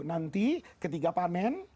nanti ketika panen